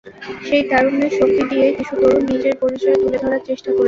সেই তারুণ্যের শক্তি দিয়ে কিছু তরুণ নিজের পরিচয় তুলে ধরার চেষ্টা করেছেন।